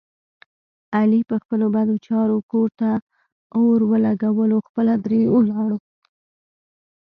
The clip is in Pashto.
علي په خپلو بدو چارو کور ته اور ولږولو خپله ترې ولاړو.